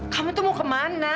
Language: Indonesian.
kamu tuh mau kemana